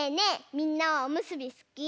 みんなはおむすびすき？